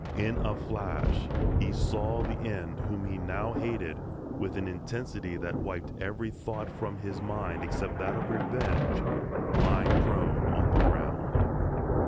In a flash he saw the end whom he now hated with an intensity that wiped every thought from his mind except that of revenge, lying prone on the ground.